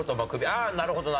ああなるほどなるほど。